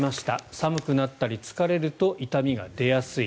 寒くなったり疲れると痛みが出やすい。